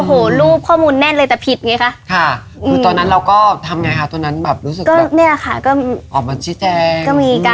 หลุกค